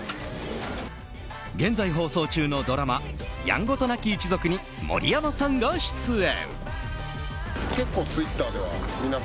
現在、放送中のドラマ「やんごとなき一族」に盛山さんが出演。